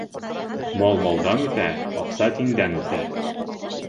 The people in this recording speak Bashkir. Мал малдан үҫә, аҡса тиндән үҫә.